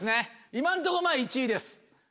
今んとこ１位です。